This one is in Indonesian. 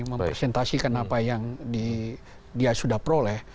mempresentasikan apa yang dia sudah peroleh